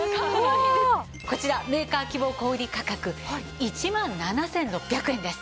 こちらメーカー希望小売価格１万７６００円です。